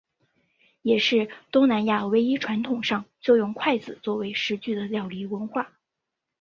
也是东南亚唯一传统上就用筷子作为食具的料理文化。